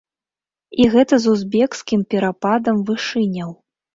І гэта з узбекскім перападам вышыняў!